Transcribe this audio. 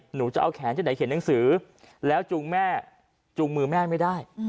หนูจะเอาแขนที่ไหนเขียนหนังสือแล้วจูงแม่จูงมือแม่ไม่ได้